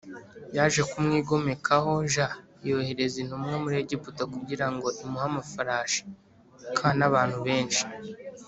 yaje kumwigomekaho j yohereza intumwa muri Egiputa kugira ngo imuhe amafarashi k n abantu benshi